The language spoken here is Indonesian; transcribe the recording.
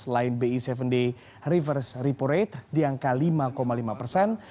selain bi tujuh day reverse repo rate di angka lima lima persen